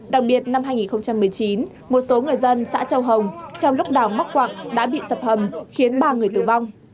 đặc biệt năm hai nghìn một mươi chín một số người dân xã châu hồng trong lúc đào mắc quạng đã bị sập hầm khiến ba người tử vong